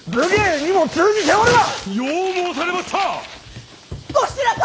よう申されました！